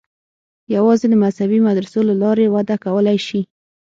یوازې د مذهبي مدرسو له لارې وده کولای شي.